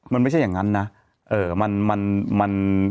มันไม่ใช่อย่างนั้นนะ